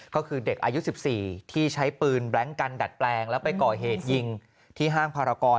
ก็คือเด็กอายุ๑๔ที่ใช้ปืนแบล็งกันดัดแปลงแล้วไปก่อเหตุยิงที่ห้างภารกร